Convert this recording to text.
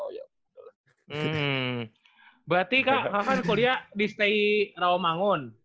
hmm berarti kak kak kan kuliah di stay rao mangun